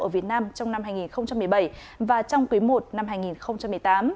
ở việt nam trong năm hai nghìn một mươi bảy và trong quý i năm hai nghìn một mươi tám